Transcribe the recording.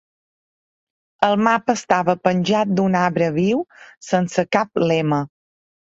El mapa estava penjat d'un arbre viu, sense cap lema.